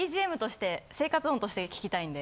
生活音として聴きたいんで。